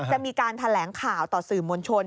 จะมีการแถลงข่าวต่อสื่อมวลชน